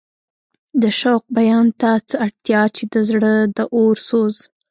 د شوق بیان ته څه اړتیا چې د زړه د اور سوز.